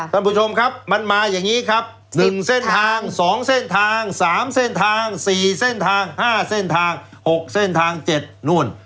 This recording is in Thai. ท่านผู้ชมครับมันมาอย่างนี้ครับ๑เส้นทาง๒เส้นทาง๓เส้นทาง๔เส้นทาง๕เส้นทาง๖เส้นทาง๗นู่น